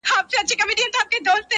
د غراب او پنجرې یې سره څه,